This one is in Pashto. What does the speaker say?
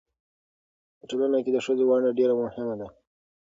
په ټولنه کې د ښځو ونډه ډېره مهمه ده.